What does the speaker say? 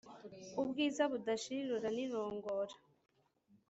Ubwiza budashira irora nirongora